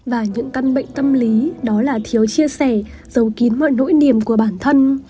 và những căn bệnh tâm lý đó là thiếu chia sẻ giấu kín mọi nỗi niềm của bản thân